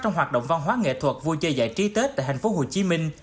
trong hoạt động văn hóa nghệ thuật vui chơi giải trí tết tại tp hcm